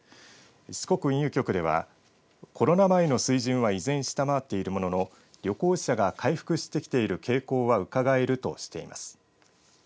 四国運輸局ではコロナ前の水準は依然下回っているものの旅行者が回復してきている傾向はうかがえるとしています。